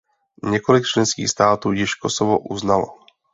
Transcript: Několik členských států již Kosovo uznalo.